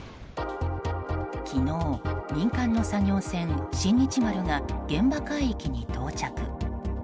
昨日民間の作業船「新日丸」が現地海域に到着。